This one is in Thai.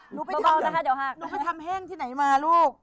หนูไปทำแห้งที่ไหนมาลูก